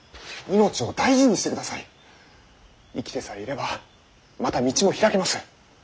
生きてさえいればまた道も開けます。